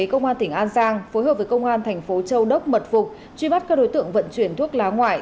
công an tỉnh an giang phối hợp với công an thành phố châu đốc mật phục truy bắt các đối tượng vận chuyển thuốc lá ngoại